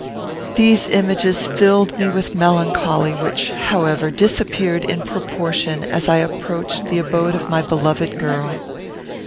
These images filled me with melancholy, which, however, disappeared in proportion as I approached the abode of my beloved girl.